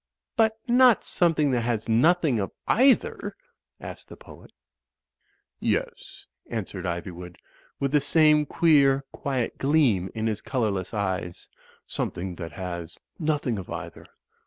"But not something that has nothing of either?" asked the poet. "Yes," answered Ivywood, with the same queer, quiet gleam in his colourless eyes, "something that has nothing of either."